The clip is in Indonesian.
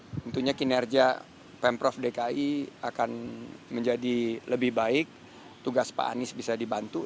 tentunya kinerja pemprov dki akan menjadi lebih baik tugas pak anies bisa dibantu